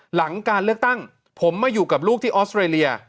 หลังการเลือกตั้งผมมาอยู่กับลูกที่ออสเตรเลีย